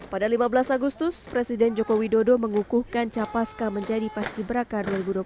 pada lima belas agustus presiden joko widodo mengukuhkan capaska menjadi paski beraka dua ribu dua puluh tiga